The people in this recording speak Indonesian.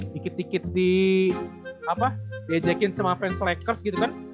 dikit dikit diajakin sama fanslackers gitu kan